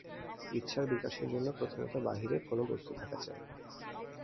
ইচ্ছার বিকাশের জন্য প্রথমত বাহিরের কোন বস্তু থাকা চাই।